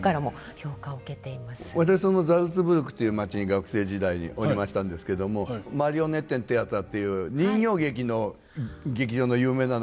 そのザルツブルクという町に学生時代におりましたんですけどもマリオネットシアターっていう人形劇の劇場の有名なのがあるんですよね。